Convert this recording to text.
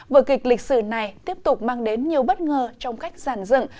vừa kịch lịch sử này tiếp tục mang đến nhiều bất ngờ trong khách giàn dựng